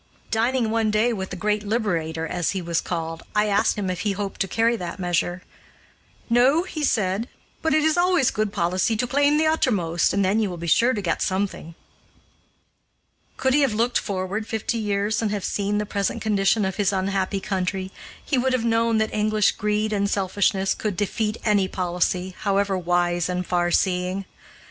Dining one day with the "Great Liberator," as he was called, I asked him if he hoped to carry that measure. "No," he said, "but it is always good policy to claim the uttermost and then you will be sure to get something." Could he have looked forward fifty years and have seen the present condition of his unhappy country, he would have known that English greed and selfishness could defeat any policy, however wise and far seeing.